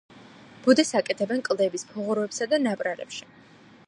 ბუდეს აკეთებენ კლდეების ფუღუროებსა და ნაპრალებში.